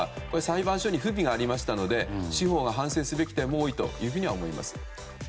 裁判所に不備がありましたので司法が反省すべき点も多いとは思います。